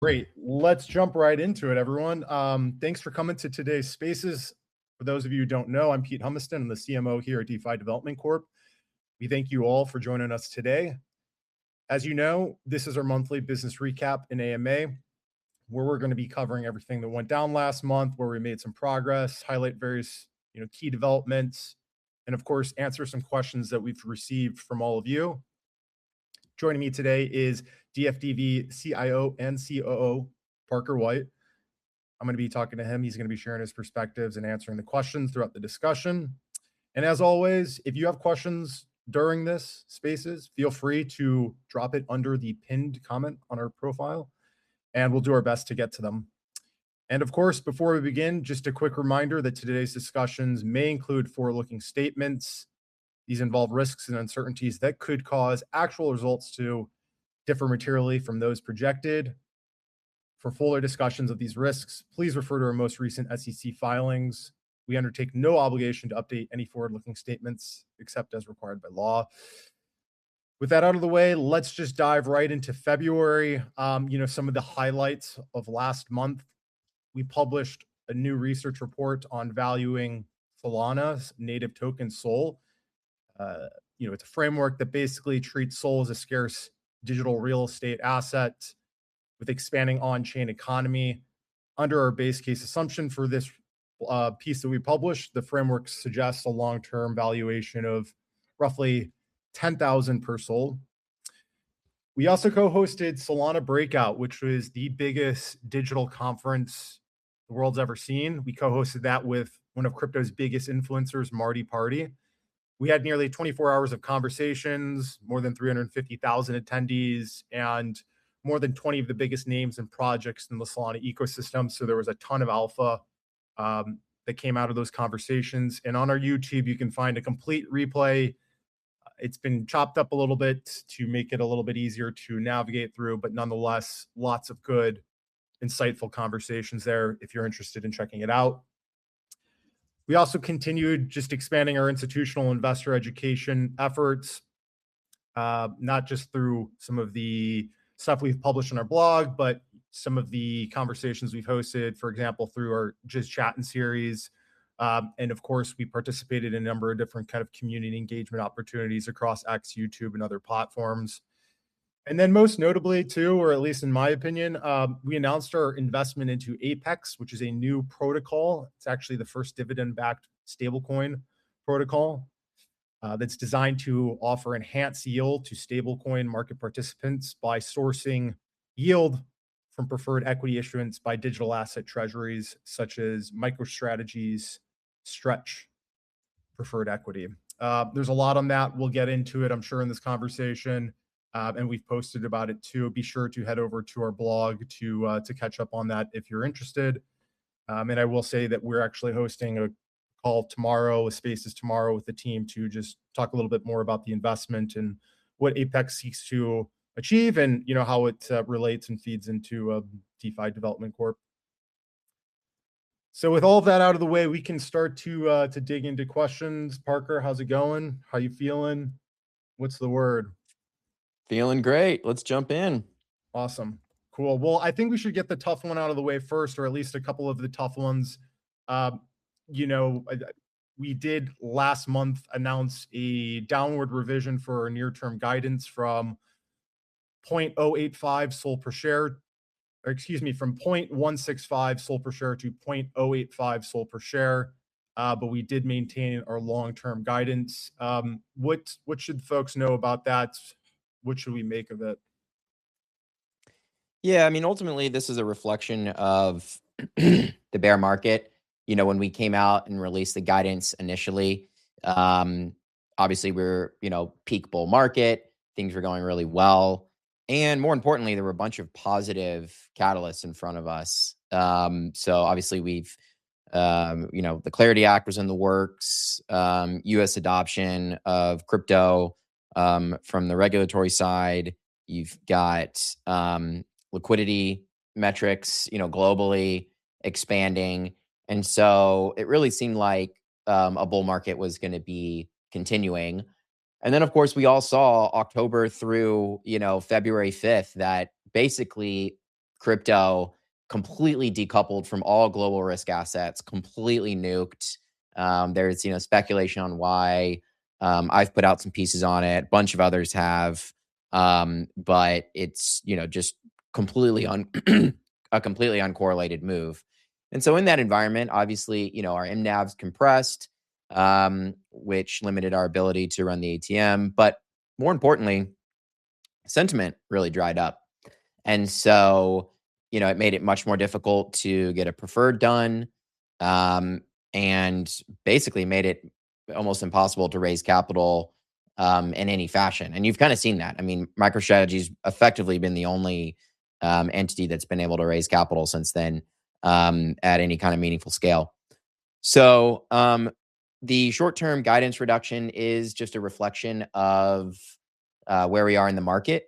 Great. Let's jump right into it, everyone. Thanks for coming to today's Spaces. For those of you who don't know, I'm Pete Humiston. I'm the CMO here at DeFi Development Corp. We thank you all for joining us today. As you know, this is our monthly business recap and AMA, where we're gonna be covering everything that went down last month, where we made some progress, highlight various, you know, key developments, and of course, answer some questions that we've received from all of you. Joining me today is DFDV CIO and COO, Parker White. I'm gonna be talking to him. He's gonna be sharing his perspectives and answering the questions throughout the discussion. As always, if you have questions during this Spaces, feel free to drop it under the pinned comment on our profile, and we'll do our best to get to them. Of course, before we begin, just a quick reminder that today's discussions may include forward-looking statements. These involve risks and uncertainties that could cause actual results to differ materially from those projected. For fuller discussions of these risks, please refer to our most recent SEC filings. We undertake no obligation to update any forward-looking statements, except as required by law. With that out of the way, let's just dive right into February. You know, some of the highlights of last month, we published a new research report on valuing Solana's native token, SOL. You know, it's a framework that basically treats SOL as a scarce digital real estate asset with expanding on-chain economy. Under our base case assumption for this piece that we published, the framework suggests a long-term valuation of roughly $10,000 per SOL. We also co-hosted Solana Breakpoint, which was the biggest digital conference the world's ever seen. We co-hosted that with one of crypto's biggest influencers, MartyParty. We had nearly 24 hours of conversations, more than 350,000 attendees, and more than 20 of the biggest names and projects in the Solana ecosystem, so there was a ton of alpha that came out of those conversations. On our YouTube, you can find a complete replay. It's been chopped up a little bit to make it a little bit easier to navigate through, but nonetheless, lots of good, insightful conversations there if you're interested in checking it out. We also continued just expanding our institutional investor education efforts, not just through some of the stuff we've published on our blog, but some of the conversations we've hosted, for example, through our Just Chatting series. Of course, we participated in a number of different kind of community engagement opportunities across X, YouTube, and other platforms. Most notably too, or at least in my opinion, we announced our investment into ApeX, which is a new protocol. It's actually the first dividend-backed stablecoin protocol that's designed to offer enhanced yield to stablecoin market participants by sourcing yield from preferred equity issuance by digital asset treasuries, such as MicroStrategy's Stretch preferred equity. There's a lot on that. We'll get into it, I'm sure, in this conversation, and we've posted about it too. Be sure to head over to our blog to catch up on that if you're interested. I will say that we're actually hosting a call tomorrow, a Spaces tomorrow with the team to just talk a little bit more about the investment and what ApeX seeks to achieve and, you know, how it relates and feeds into DeFi Development Corp. With all that out of the way, we can start to dig into questions. Parker, how's it going? How you feeling? What's the word? Feeling great. Let's jump in. Awesome. Cool. Well, I think we should get the tough one out of the way first or at least a couple of the tough ones. you know, we did last month announce a downward revision for our near-term guidance from 0.085 SOL per share, or excuse me, from 0.165 SOL per share to 0.085 SOL per share, but we did maintain our long-term guidance. What should folks know about that? What should we make of it? Yeah, I mean, ultimately this is a reflection of the bear market. You know, when we came out and released the guidance initially, obviously we're, you know, peak bull market, things were going really well, and more importantly, there were a bunch of positive catalysts in front of us. Obviously we've, you know, the CLARITY Act was in the works, U.S. adoption of crypto from the regulatory side. You've got liquidity metrics, you know, globally expanding. It really seemed like a bull market was gonna be continuing. Of course, we all saw October through, you know, February 5th, that basically crypto completely decoupled from all global risk assets, completely nuked. There's, you know, speculation on why, I've put out some pieces on it, bunch of others have. It's, you know, just a completely uncorrelated move. In that environment, obviously, you know, our NAV's compressed, which limited our ability to run the ATM, but more importantly, sentiment really dried up. You know, it made it much more difficult to get a preferred done, and basically made it almost impossible to raise capital in any fashion. You've kinda seen that. I mean, MicroStrategy's effectively been the only entity that's been able to raise capital since then at any kind of meaningful scale. The short-term guidance reduction is just a reflection of where we are in the market,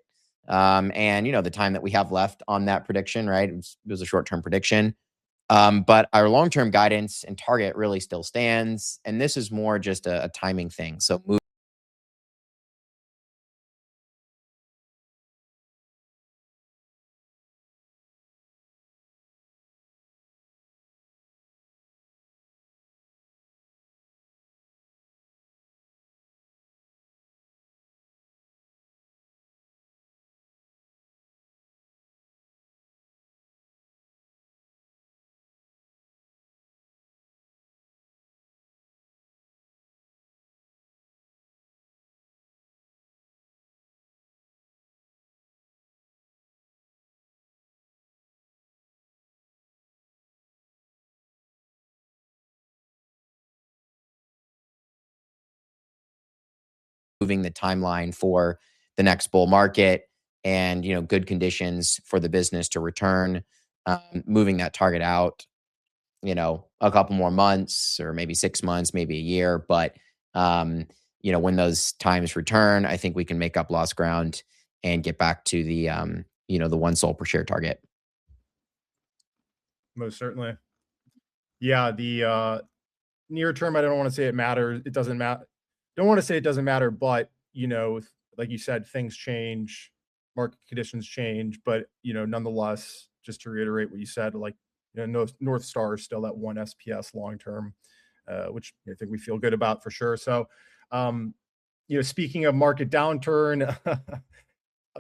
and, you know, the time that we have left on that prediction, right? It was a short-term prediction. Our long-term guidance and target really still stands, and this is more just a timing thing. Moving the timeline for the next bull market and, you know, good conditions for the business to return, moving that target out, you know, a couple more months or maybe 6 months, maybe 1 year. You know, when those times return, I think we can make up lost ground and get back to the, you know, the 1 SOL per share target. Most certainly. Yeah, the near term, I don't wanna say it matters. I don't wanna say it doesn't matter, you know, like you said, things change, market conditions change. You know, nonetheless, just to reiterate what you said, like, you know, North Star is still at 1 SPS long term, which I think we feel good about for sure. You know, speaking of market downturn,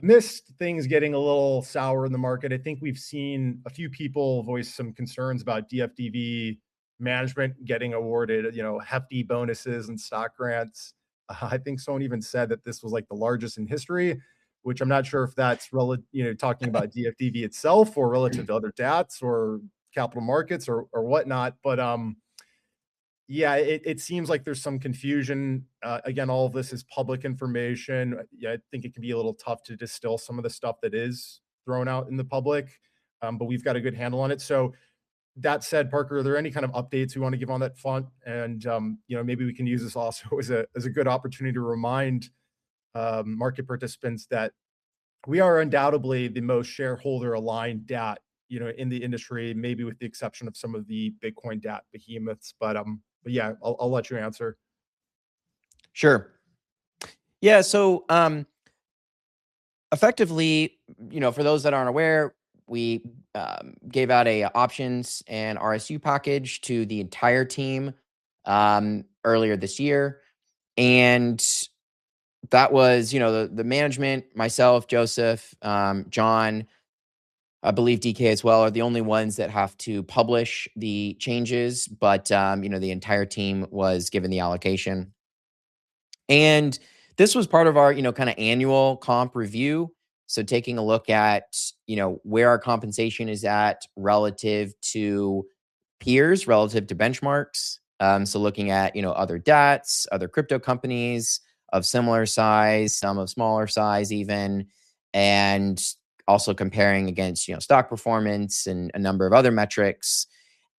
missed things getting a little sour in the market. I think we've seen a few people voice some concerns about DFDV management getting awarded, you know, hefty bonuses and stock grants. I think someone even said that this was, like, the largest in history, which I'm not sure if that's, you know, talking about DFDV itself or relative to other DATs or capital markets or whatnot. Yeah, it seems like there's some confusion. Again, all of this is public information. Yeah, I think it can be a little tough to distill some of the stuff that is thrown out in the public, but we've got a good handle on it. That said, Parker, are there any kind of updates we wanna give on that front? You know, maybe we can use this also as a, as a good opportunity to remind market participants that we are undoubtedly the most shareholder-aligned DAT, you know, in the industry, maybe with the exception of some of the Bitcoin DAT behemoths. Yeah, I'll let you answer. Sure. Yeah, so, effectively, you know, for those that aren't aware, we gave out a options and RSU package to the entire team earlier this year. That was, you know, the management, myself, Joseph, John, I believe DK as well, are the only ones that have to publish the changes. You know, the entire team was given the allocation. This was part of our, you know, kind of annual comp review. Taking a look at, you know, where our compensation is at relative to peers, relative to benchmarks. Looking at, you know, other DATs, other crypto companies of similar size, some of smaller size even, and also comparing against, you know, stock performance and a number of other metrics,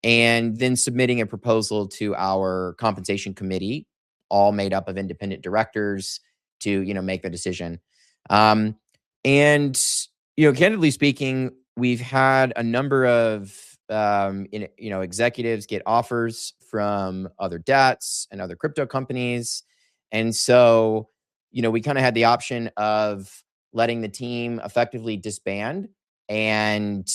and then submitting a proposal to our compensation committee, all made up of independent directors to, you know, make the decision. You know, candidly speaking, we've had a number of, you know, executives get offers from other DATs and other crypto companies. You know, we kinda had the option of letting the team effectively disband and,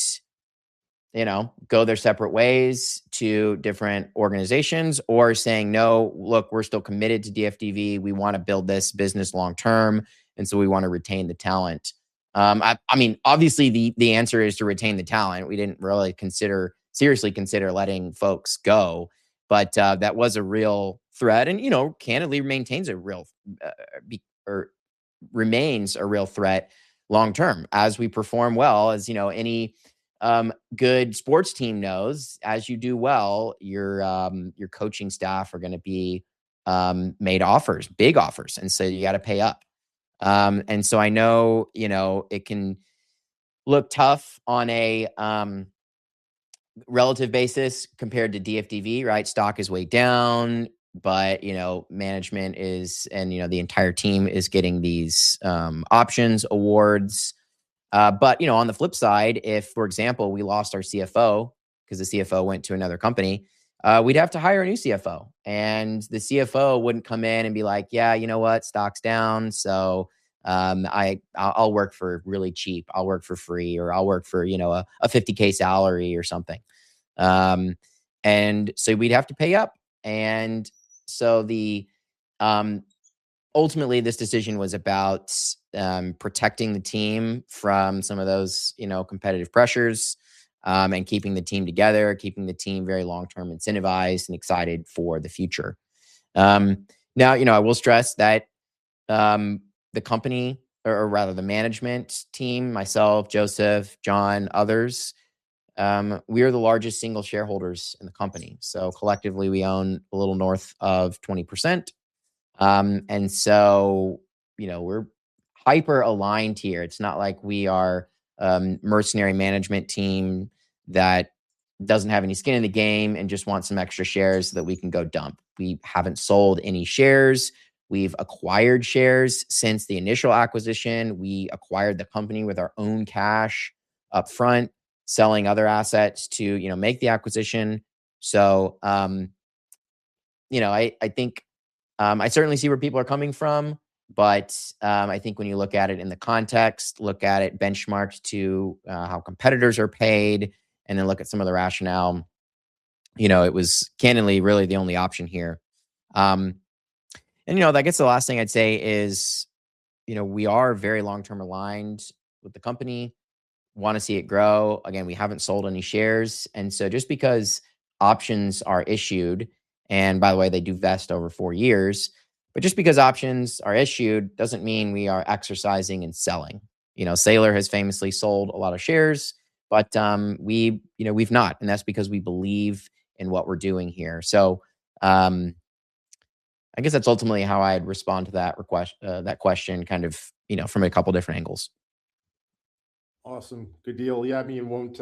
you know, go their separate ways to different organizations. Saying, "No. Look, we're still committed to DFDV. We wanna build this business long term, and so we wanna retain the talent." I mean, obviously the answer is to retain the talent. We didn't really consider, seriously consider letting folks go, but that was a real threat and, you know, candidly remains a real threat long term as we perform well. As, you know, any good sports team knows, as you do well, your coaching staff are gonna be made offers, big offers, and so you gotta pay up. I know, you know, it can look tough on a relative basis compared to DFDV, right? Stock is way down but, you know, management is, and, you know, the entire team is getting these options awards. You know, on the flip side, if, for example, we lost our CFO 'cause the CFO went to another company, we'd have to hire a new CFO, and the CFO wouldn't come in and be like, "Yeah, you know what? Stock's down, so, I'll work for really cheap. I'll work for free," or, "I'll work for, you know, a $50K salary or something." We'd have to pay up. Ultimately, this decision was about protecting the team from some of those, you know, competitive pressures, and keeping the team together, keeping the team very long-term incentivized and excited for the future. Now, you know, I will stress that the company or rather the management team, myself, Joseph, John, others, we are the largest single shareholders in the company, so collectively we own a little north of 20%. You know, we're hyper-aligned here. It's not like we are a mercenary management team that doesn't have any skin in the game and just want some extra shares that we can go dump. We haven't sold any shares. We've acquired shares since the initial acquisition. We acquired the company with our own cash upfront, selling other assets to, you know, make the acquisition. You know, I think I certainly see where people are coming from, but I think when you look at it in the context, look at it benchmarked to how competitors are paid, and then look at some of the rationale, you know, it was candidly really the only option here. You know, I guess the last thing I'd say is, you know, we are very long-term aligned with the company, wanna see it grow. Again, we haven't sold any shares. Just because options are issued, and by the way, they do vest over four years, but just because options are issued doesn't mean we are exercising and selling. You know, Saylor has famously sold a lot of shares, but we, you know, we've not, and that's because we believe in what we're doing here. I guess that's ultimately how I'd respond to that question kind of, you know, from a couple different angles. Awesome. Good deal. Yeah, I mean, won't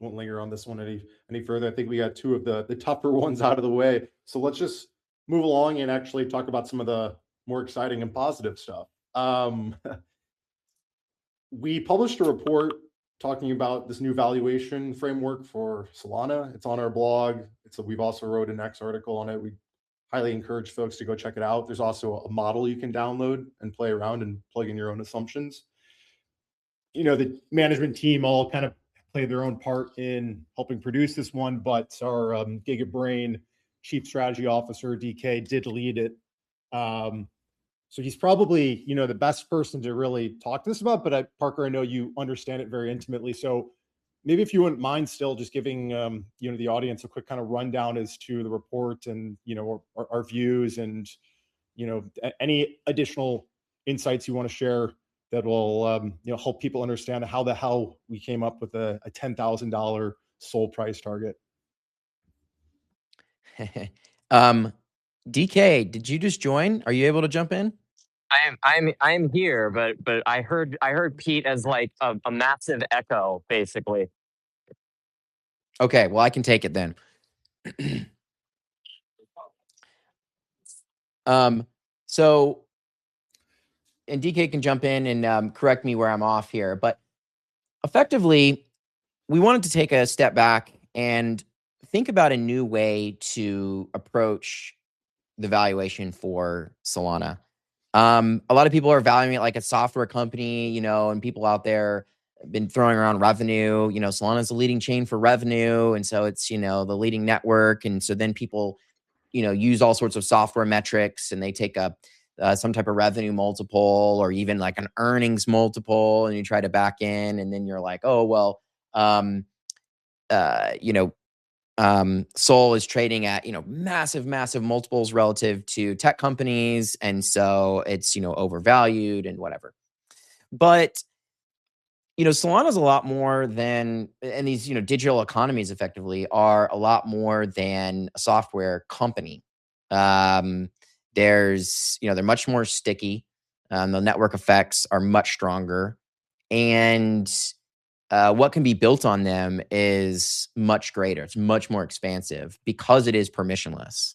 linger on this one any further. I think we got two of the tougher ones out of the way. Let's just move along and actually talk about some of the more exciting and positive stuff. We published a report talking about this new valuation framework for Solana. It's on our blog. It's, we've also wrote an X article on it. We'd highly encourage folks to go check it out. There's also a model you can download and play around and plug in your own assumptions. You know, the management team all kind of played their own part in helping produce this one, but our giga brain chief strategy officer, DK, did lead it. he's probably, you know, the best person to really talk to us about, but Parker, I know you understand it very intimately. maybe if you wouldn't mind still just giving, you know, the audience a quick kinda rundown as to the report and, you know, our, our views and, you know, any additional insights you wanna share that will, you know, help people understand how the hell we came up with a $10,000 SOL price target? DK, did you just join? Are you able to jump in? I am here, but I heard Pete as, like, a massive echo, basically. Okay. Well, I can take it then. DK can jump in and correct me where I'm off here, but effectively, we wanted to take a step back and think about a new way to approach the valuation for Solana. A lot of people are valuing it like a software company, you know, and people out there have been throwing around revenue. You know, Solana's the leading chain for revenue, and so it's, you know, the leading network. People, you know, use all sorts of software metrics and they take a some type of revenue multiple or even, like, an earnings multiple, and you try to back in, and then you're like, "Oh, well, you know, SOL is trading at, you know, massive multiples relative to tech companies, and so it's, you know, overvalued and whatever." You know, Solana's a lot more than... and these, you know, digital economies effectively are a lot more than a software company. There's you know, they're much more sticky, the network effects are much stronger, and what can be built on them is much greater. It's much more expansive because it is permissionless.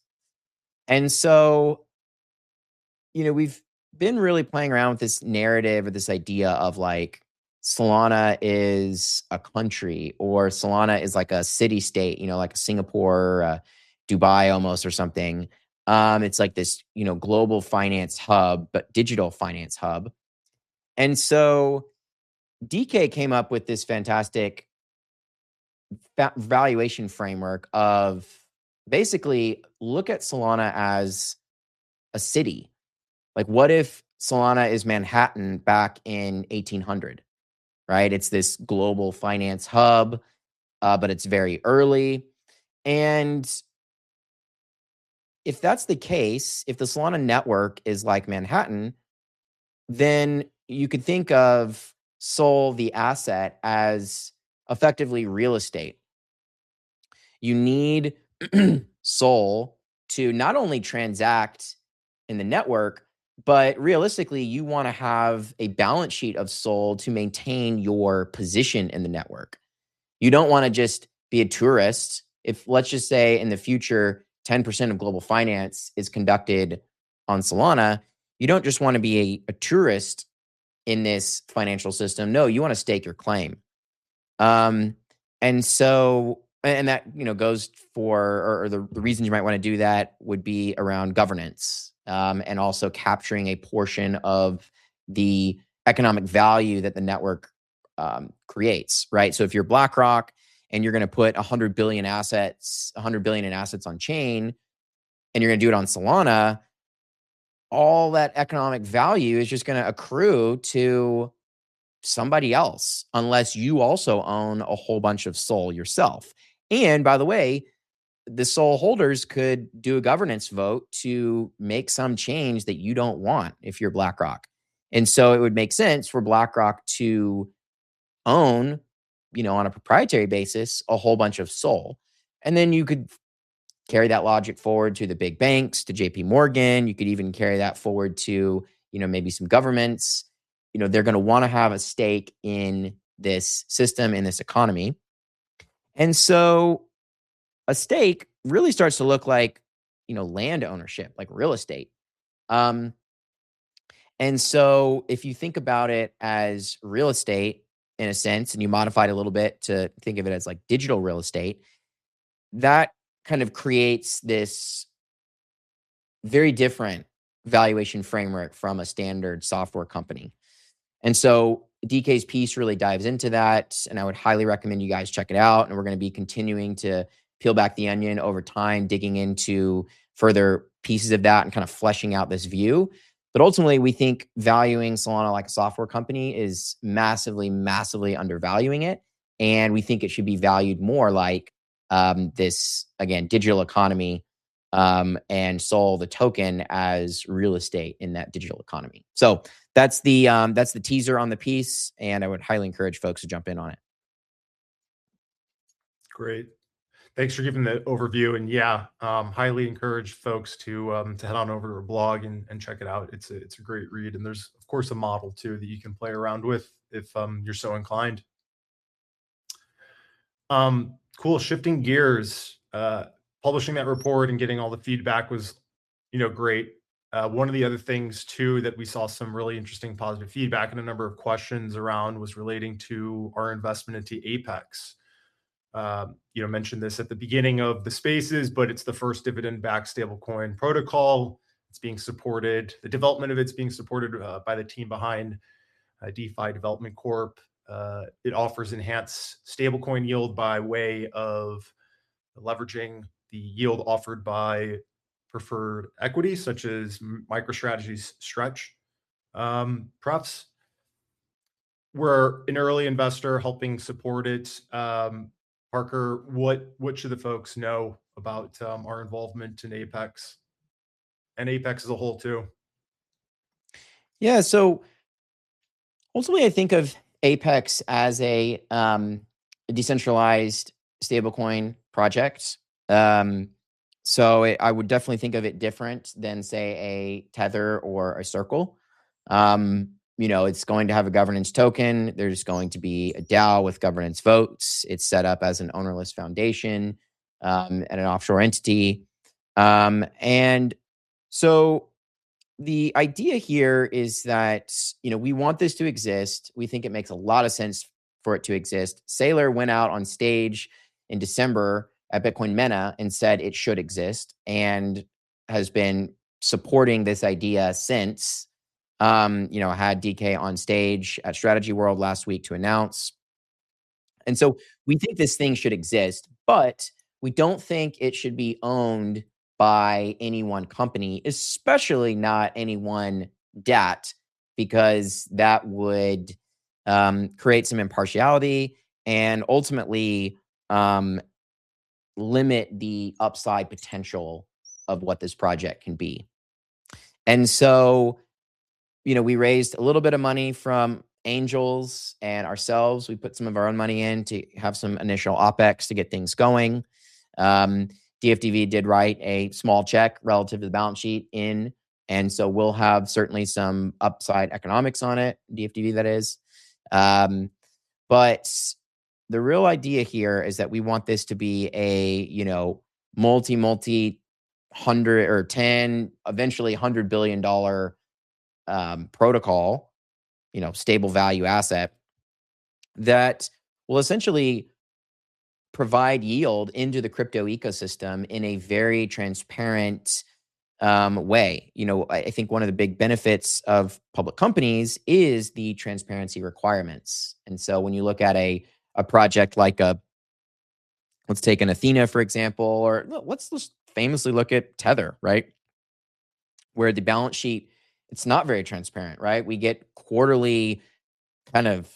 You know, we've been really playing around with this narrative or this idea of, like, Solana is a country, or Solana is like a city state, you know, like Singapore, Dubai almost or something. It's like this, you know, global finance hub, but digital finance hub. DK came up with this fantastic valuation framework of basically look at Solana as a city. Like, what if Solana is Manhattan back in 1800, right? It's this global finance hub, but it's very early. If that's the case, if the Solana network is like Manhattan, then you could think of SOL the asset as effectively real estate. You need SOL to not only transact in the network, but realistically you wanna have a balance sheet of SOL to maintain your position in the network. You don't wanna just be a tourist. If, let's just say, in the future, 10% of global finance is conducted on Solana, you don't just wanna be a tourist in this financial system. No, you wanna stake your claim. and that, you know, goes for or the reasons you might wanna do that would be around governance, and also capturing a portion of the economic value that the network creates, right? If you're BlackRock and you're gonna put $100 billion assets, $100 billion in assets on chain, and you're gonna do it on Solana, all that economic value is just gonna accrue to somebody else, unless you also own a whole bunch of SOL yourself. By the way, the SOL holders could do a governance vote to make some change that you don't want if you're BlackRock. It would make sense for BlackRock to own, you know, on a proprietary basis, a whole bunch of SOL. Then you could carry that logic forward to the big banks, to JPMorgan. You could even carry that forward to, you know, maybe some governments. You know, they're gonna wanna have a stake in this system, in this economy. A stake really starts to look like, you know, land ownership, like real estate. If you think about it as real estate in a sense, and you modify it a little bit to think of it as like digital real estate, that kind of creates this very different valuation framework from a standard software company. DK's piece really dives into that, and I would highly recommend you guys check it out, and we're gonna be continuing to peel back the onion over time, digging into further pieces of that and kinda fleshing out this view. Ultimately, we think valuing Solana like a software company is massively undervaluing it, and we think it should be valued more like, this, again, digital economy, and SOL the token as real estate in that digital economy. That's the, that's the teaser on the piece, and I would highly encourage folks to jump in on it. Great. Thanks for giving that overview. Yeah, highly encourage folks to head on over to our blog and check it out. It's a great read, and there's of course a model too that you can play around with if you're so inclined. Cool. Shifting gears, publishing that report and getting all the feedback was, you know, great. One of the other things too that we saw some really interesting positive feedback and a number of questions around was relating to our investment into ApeX Protocol. You know, mentioned this at the beginning of the spaces, but it's the first dividend-backed stablecoin protocol. The development of it's being supported by the team behind DeFi Development Corp. It offers enhanced stablecoin yield by way of leveraging the yield offered by preferred equity, such as MicroStrategy's Stretch prefs. We're an early investor helping support it. Parker, what should the folks know about our involvement in ApeX, and ApeX as a whole too? Yeah. Ultimately I think of ApeX as a decentralized stablecoin project. I would definitely think of it different than, say, a Tether or a Circle. You know, it's going to have a governance token. There's going to be a DAO with governance votes. It's set up as an owner-less foundation and an offshore entity. The idea here is that, you know, we want this to exist. We think it makes a lot of sense for it to exist. Saylor went out on stage in December at Bitcoin MENA and said it should exist and has been supporting this idea since, you know, had DK on stage at MicroStrategy World last week to announce. We think this thing should exist, but we don't think it should be owned by any one company, especially not any one DAT, because that would create some impartiality and ultimately limit the upside potential of what this project can be. You know, we raised a little bit of money from angels and ourselves. We put some of our own money in to have some initial OpEx to get things going. DFDV did write a small check relative to the balance sheet in, and so we'll have certainly some upside economics on it, DFDV that is. But the real idea here is that we want this to be a, you know, multi-hundred or 10, eventually a $100 billion-dollar protocol, you know, stable value asset that will essentially provide yield into the crypto ecosystem in a very transparent way. You know, I think one of the big benefits of public companies is the transparency requirements. When you look at a project like let's take an Ethena, for example, or let's just famously look at Tether, right? Where the balance sheet, it's not very transparent, right? We get quarterly kind of,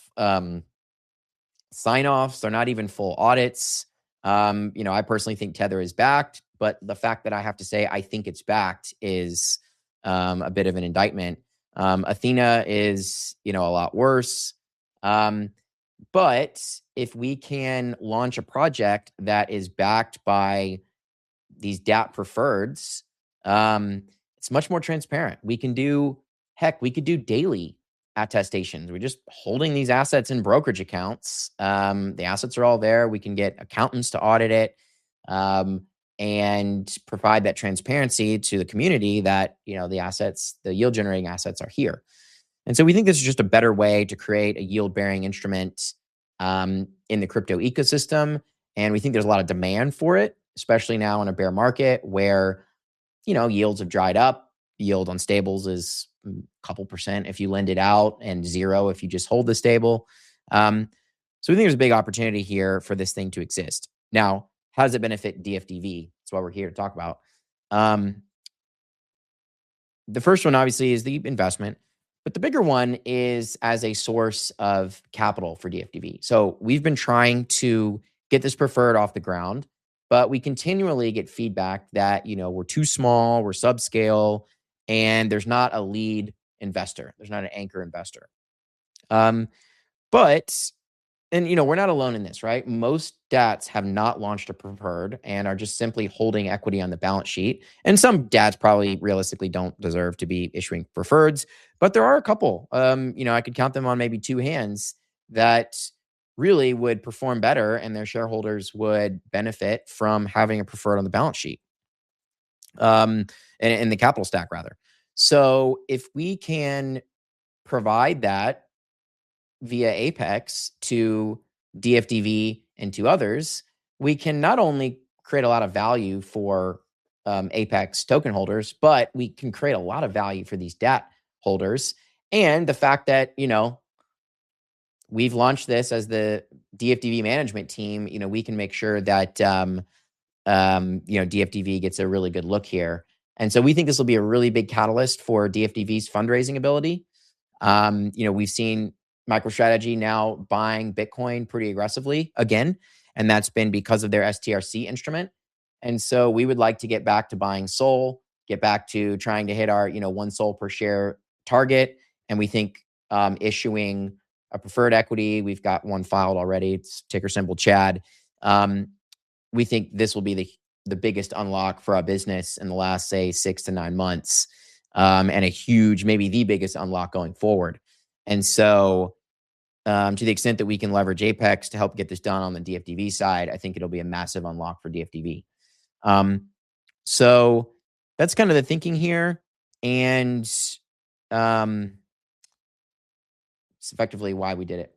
sign-offs or not even full audits. You know, I personally think Tether is backed, but the fact that I have to say I think it's backed is a bit of an indictment. Ethena is, you know, a lot worse. If we can launch a project that is backed by these DAT preferreds, it's much more transparent. We can do heck, we could do daily attestations. We're just holding these assets in brokerage accounts. The assets are all there. We can get accountants to audit it, and provide that transparency to the community that, you know, the assets, the yield-generating assets are here. We think this is just a better way to create a yield-bearing instrument in the crypto ecosystem, and we think there's a lot of demand for it, especially now in a bear market where, you know, yields have dried up, yield on stables is couple percentage if you lend it out and 0 if you just hold the stable. We think there's a big opportunity here for this thing to exist. Now, how does it benefit DFDV? That's what we're here to talk about. The first one obviously is the investment, but the bigger one is as a source of capital for DFDV. We've been trying to get this preferred off the ground, but we continually get feedback that, you know, we're too small, we're subscale, and there's not a lead investor, there's not an anchor investor. And, you know, we're not alone in this, right? Most DATs have not launched a preferred and are just simply holding equity on the balance sheet. Some DATs probably realistically don't deserve to be issuing preferreds, but there are a couple, you know, I could count them on maybe two hands, that really would perform better and their shareholders would benefit from having a preferred on the balance sheet. In, in the capital stack rather. If we can provide that via ApeX to DFDV and to others, we can not only create a lot of value for ApeX token holders, but we can create a lot of value for these debt holders. The fact that, you know, we've launched this as the DFDV management team, you know, we can make sure that, you know, DFDV gets a really good look here. We think this will be a really big catalyst for DFDV's fundraising ability. You know, we've seen MicroStrategy now buying Bitcoin pretty aggressively again, and that's been because of their STRC instrument. We would like to get back to buying SOL, get back to trying to hit our, you know, 1 SOL per share target. We think issuing a preferred equity. We've got one filed already. It's ticker symbol CHAD. We think this will be the biggest unlock for our business in the last, say, six months to nine months, and maybe the biggest unlock going forward. To the extent that we can leverage ApeX to help get this done on the DFDV side, I think it'll be a massive unlock for DFDV. That's kind of the thinking here and effectively why we did it.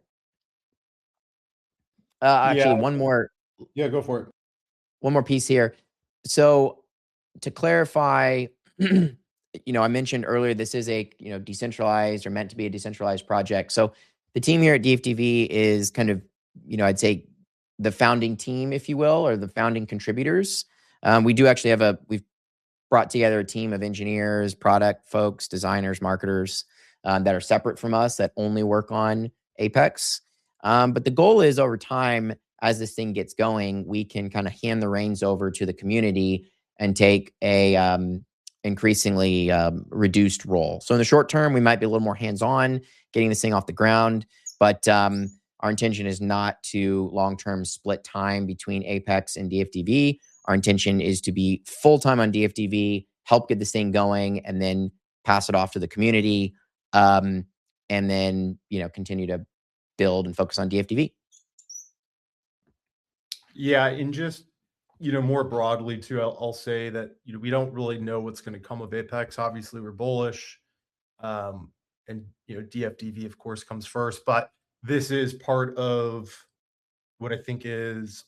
Yeah. actually one more Yeah, go for it. ... one more piece here. To clarify, you know, I mentioned earlier this is a, you know, decentralized or meant to be a decentralized project. The team here at DFDV is kind of, you know, I'd say the founding team, if you will, or the founding contributors. We've brought together a team of engineers, product folks, designers, marketers that are separate from us that only work on ApeX. The goal is, over time, as this thing gets going, we can kinda hand the reins over to the community and take a increasingly reduced role. In the short term, we might be a little more hands-on getting this thing off the ground, but our intention is not to long-term split time between ApeX and DFDV. Our intention is to be full-time on DFDV, help get this thing going, and then pass it off to the community, and then, you know, continue to build and focus on DFDV. Yeah. Just, you know, more broadly too, I'll say that, you know, we don't really know what's gonna come of ApeX. Obviously, we're bullish. you know, DFDV of course comes first, but this is part of what I think is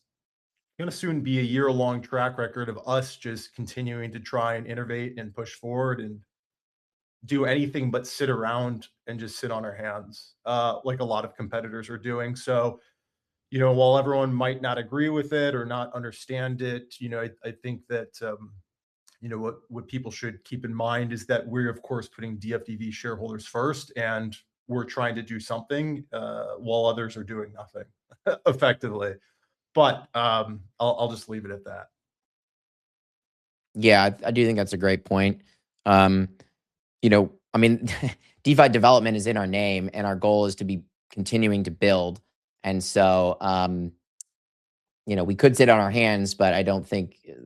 gonna soon be a year-long track record of us just continuing to try and innovate and push forward and do anything but sit around and just sit on our hands, like a lot of competitors are doing. you know, while everyone might not agree with it or not understand it, you know, I think that, you know, what people should keep in mind is that we're of course putting DFDV shareholders first and we're trying to do something, while others are doing nothing effectively. I'll just leave it at that. Yeah. I do think that's a great point. you know, I mean, DeFi Development is in our name. Our goal is to be continuing to build. you know, we could sit on our hands, but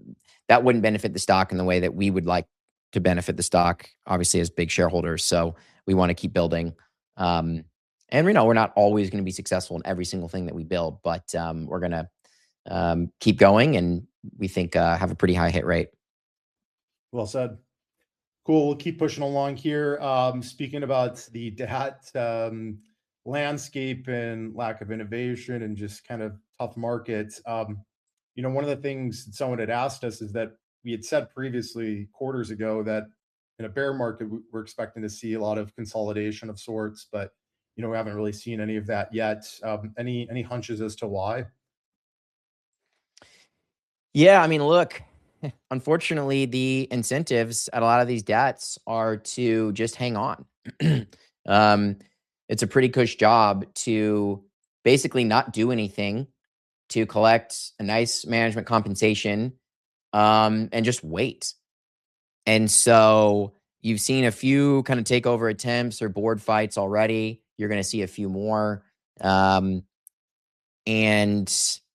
that wouldn't benefit the stock in the way that we would like to benefit the stock, obviously as big shareholders. We wanna keep building. We know we're not always gonna be successful in every single thing that we build, but we're gonna keep going and we think have a pretty high hit rate. Well said. Cool. We'll keep pushing along here. Speaking about the debt landscape and lack of innovation and just kind of tough markets, you know, one of the things someone had asked us is that we had said previously quarters ago that in a bear market, we're expecting to see a lot of consolidation of sorts. You know, we haven't really seen any of that yet. Any hunches as to why? Yeah, I mean, look, unfortunately the incentives at a lot of these debts are to just hang on. It's a pretty cush job to basically not do anything to collect a nice management compensation, and just wait. You've seen a few kinda takeover attempts or board fights already. You're gonna see a few more.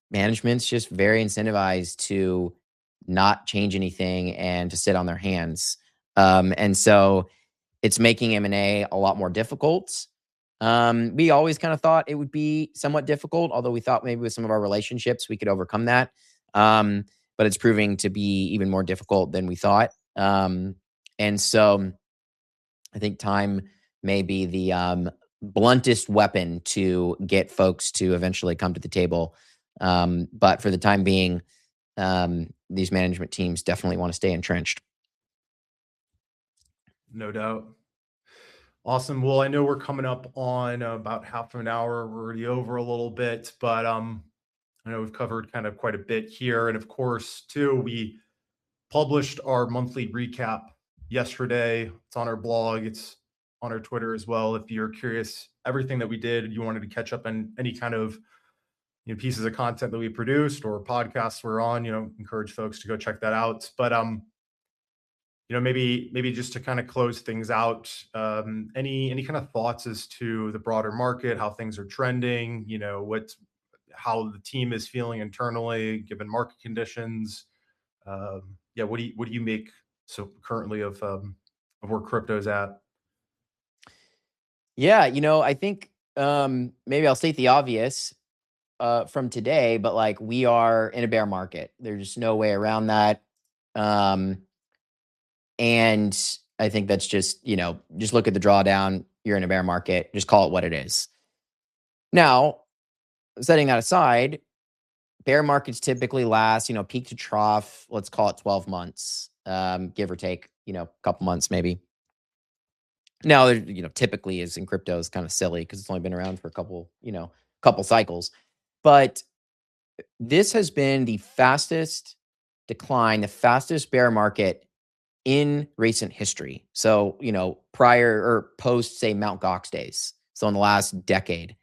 Management's just very incentivized to not change anything and to sit on their hands. It's making M&A a lot more difficult. We always kinda thought it would be somewhat difficult, although we thought maybe with some of our relationships we could overcome that. It's proving to be even more difficult than we thought. I think time may be the bluntest weapon to get folks to eventually come to the table. For the time being, these management teams definitely want to stay entrenched. No doubt. Awesome. Well, I know we're coming up on about half an hour. We're already over a little bit, but, I know we've covered kind of quite a bit here. Of course, too, we published our monthly recap yesterday. It's on our blog. It's on our Twitter as well. If you're curious, everything that we did, you wanted to catch up on any kind of, you know, pieces of content that we produced or podcasts we're on, you know, encourage folks to go check that out. You know, maybe just to kinda close things out, any kinda thoughts as to the broader market, how things are trending, you know, what's how the team is feeling internally given market conditions? Yeah, what do you make so currently of where crypto's at? Yeah, you know, I think, maybe I'll state the obvious from today, but, like, we are in a bear market. There's just no way around that. I think that's just. You know, just look at the drawdown. You're in a bear market. Just call it what it is. Now, setting that aside, bear markets typically last, you know, peak to trough, let's call it 12 months, give or take, you know, a couple months maybe. Now, you know, typically is in crypto is kinda silly 'cause it's only been around for a couple, you know, couple cycles. This has been the fastest decline, the fastest bear market in recent history, so, you know, prior or post, say, Mt. Gox days, in the last decade,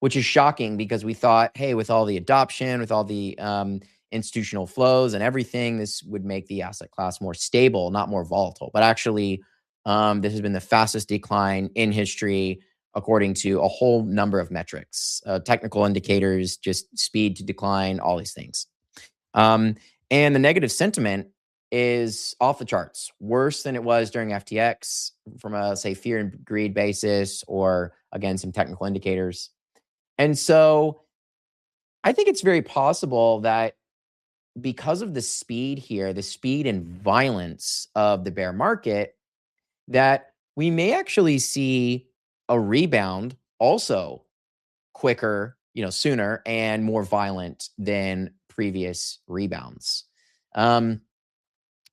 which is shocking because we thought, "Hey, with all the adoption, with all the institutional flows and everything, this would make the asset class more stable, not more volatile." Actually, this has been the fastest decline in history according to a whole number of metrics, technical indicators, just speed to decline, all these things. The negative sentiment is off the charts. Worse than it was during FTX from a, say, fear and greed basis or, again, some technical indicators. I think it's very possible that because of the speed here, the speed and violence of the bear market, that we may actually see a rebound also quicker, you know,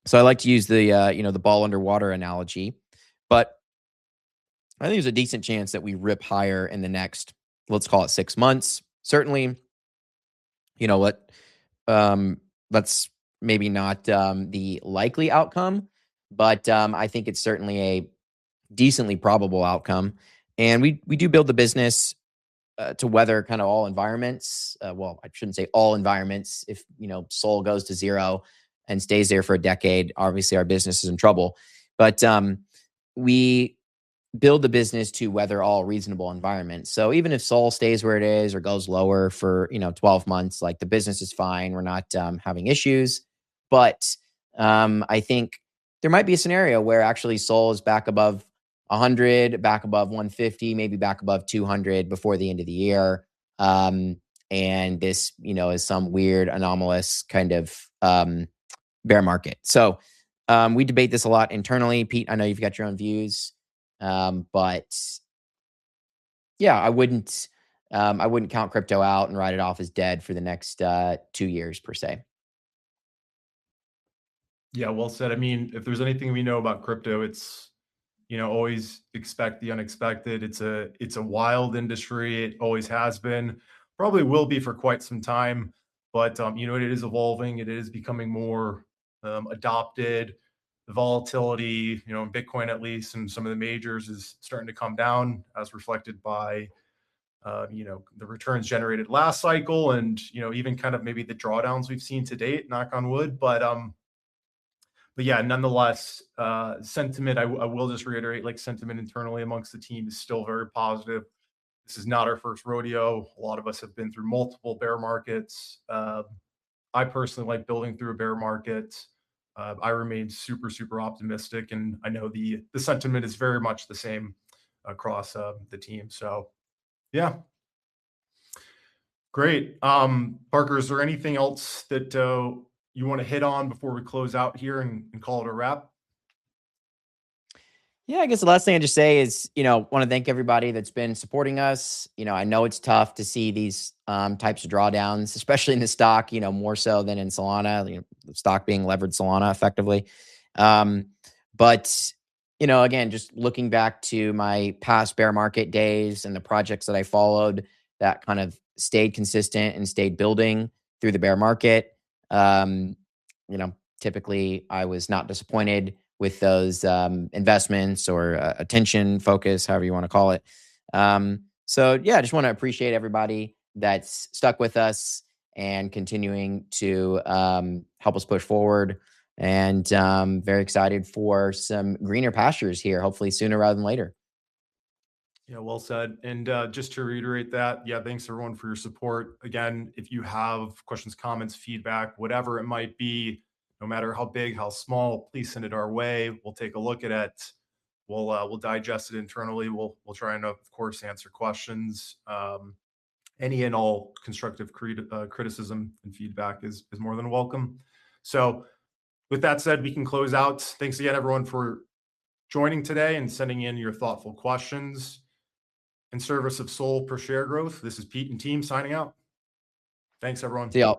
sooner and more violent than previous rebounds. I like to use the, you know, the ball underwater analogy, but I think there's a decent chance that we rip higher in the next, let's call it six months. Certainly, that's maybe not the likely outcome, but I think it's certainly a decently probable outcome. We do build the business to weather kinda all environments. Well, I shouldn't say all environments. If SOL goes to zero and stays there for a decade, obviously our business is in trouble. We build the business to weather all reasonable environments. Even if SOL stays where it is or goes lower for 12 months, the business is fine. We're not having issues. I think there might be a scenario where actually SOL is back above $100, back above $150, maybe back above $200 before the end of the year, and this, you know, is some weird, anomalous kind of bear market. We debate this a lot internally. Pete, I know you've got your own views, but yeah, I wouldn't, I wouldn't count crypto out and write it off as dead for the next two years per se. Yeah, well said. I mean, if there's anything we know about crypto, it's, you know, always expect the unexpected. It's a, it's a wild industry. It always has been. Probably will be for quite some time. It is evolving. It is becoming more adopted. The volatility, you know, in Bitcoin at least and some of the majors is starting to come down as reflected by, you know, the returns generated last cycle and, you know, even kind of maybe the drawdowns we've seen to date, knock on wood. Yeah, nonetheless, sentiment, I will just reiterate like sentiment internally amongst the team is still very positive. This is not our first rodeo. A lot of us have been through multiple bear markets. I personally like building through a bear market. I remain super optimistic, and I know the sentiment is very much the same across the team. Yeah. Great. Parker, is there anything else that you wanna hit on before we close out here and call it a wrap? I guess the last thing I'd just say is, you know, wanna thank everybody that's been supporting us. You know, I know it's tough to see these types of drawdowns, especially in the stock, you know, more so than in Solana, you know, the stock being levered Solana effectively. You know, again, just looking back to my past bear market days and the projects that I followed that kind of stayed consistent and stayed building through the bear market, you know, typically I was not disappointed with those investments or attention, focus, however you wanna call it. Yeah, I just wanna appreciate everybody that's stuck with us and continuing to help us push forward and very excited for some greener pastures here, hopefully sooner rather than later. Well said. Just to reiterate that, thanks everyone for your support. Again, if you have questions, comments, feedback, whatever it might be, no matter how big, how small, please send it our way. We'll take a look at it. We'll digest it internally. We'll try and, of course, answer questions. Any and all constructive criticism and feedback is more than welcome. With that said, we can close out. Thanks again, everyone, for joining today and sending in your thoughtful questions. In service of SOL per share growth, this is Pete and team signing out. Thanks, everyone.